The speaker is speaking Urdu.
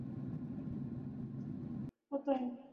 وہ تو ہیں۔